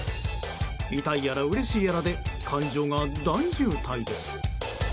痛いやら、うれしいやらで感情が大渋滞です。